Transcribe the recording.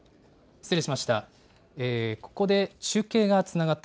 失礼しました。